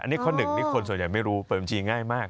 อันนี้ข้อหนึ่งที่คนส่วนใหญ่ไม่รู้เปิดบัญชีง่ายมาก